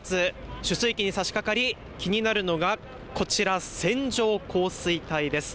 出水期にさしかかり気になるのがこちら、線状降水帯です。